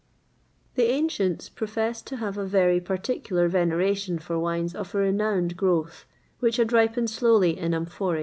[XXVIII 100] The ancients professed to have a very particular veneration for wines of a renowned growth, which had ripened slowly in amphoræ.